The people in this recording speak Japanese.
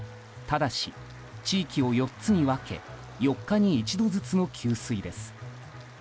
ただし地域を４つに分け４日に１度ずつの給水です。